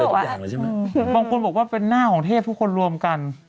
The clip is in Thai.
บางคนบอกว่าเป็นหน้าของเทพทุกคนรวมกัน